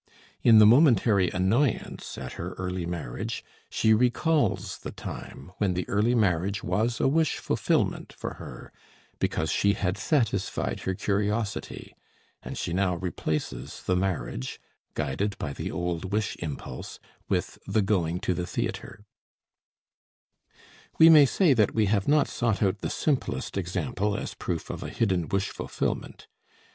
In the momentary annoyance at her early marriage she recalls the time when the early marriage was a wish fulfillment for her, because she had satisfied her curiosity; and she now replaces the marriage, guided by the old wish impulse, with the going to the theatre. We may say that we have not sought out the simplest example as proof of a hidden wish fulfillment.